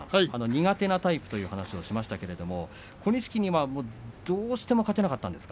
苦手なタイプという話をしましたけれども小錦にはどうしても勝てなかったんですか。